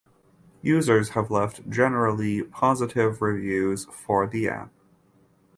Users have left generally positive reviews for the app.